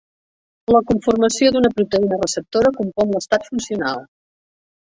La conformació d'una proteïna receptora compon l'estat funcional.